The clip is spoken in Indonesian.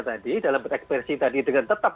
tadi dalam ekspresi tadi dengan tetap